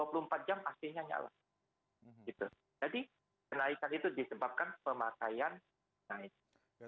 jadi kenaikan itu disebabkan pemakaian naik